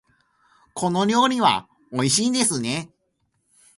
この料理はおいしいですね。